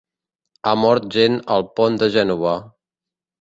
Ha mort gent al Pont de Gènova